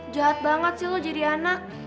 jahat banget sih lo jadi anak